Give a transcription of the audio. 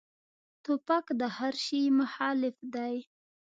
توپک د هر شي مخالف دی.